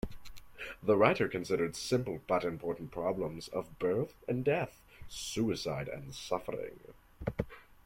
The writer considered simple but important problems of birth and death, suicide and suffering.